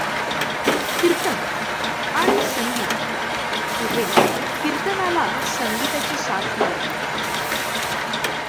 कीर्तन आणि संगीत पुढे कीर्तनाला संगीताची साथ लाभली.